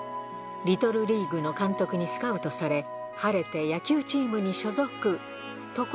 リトルリーグの監督にスカウトされ、晴れて野球チームに所属。